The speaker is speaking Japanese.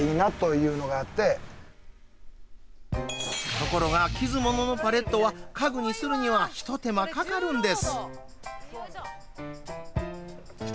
ところが、きず物のパレットは家具にするにはひと手間かかるんです。